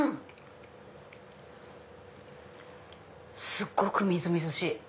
すっごくみずみずしい！